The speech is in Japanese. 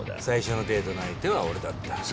最初のデートの相手は俺だった。